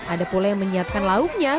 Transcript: ada pula yang menyiapkan lauknya